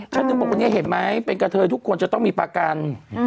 ฉันถึงบอกวันนี้เห็นไหมเป็นกระเทยทุกคนจะต้องมีประกัน